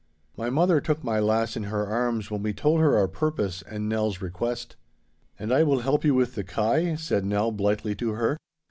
My mother took my lass in her arms when we told her our purpose and Nell's request. 'And I will help you with the kye?' said Nell, blithely, to her.